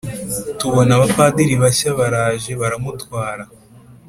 tubona abapadiri bashya baraje baramutwara